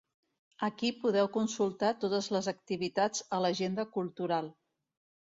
Aquí podeu consultar totes les activitats a l'Agenda Cultural.